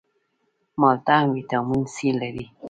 مالټه هم ویټامین سي لري